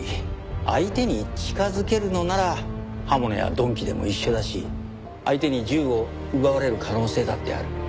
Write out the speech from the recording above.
相手に近づけるのなら刃物や鈍器でも一緒だし相手に銃を奪われる可能性だってある。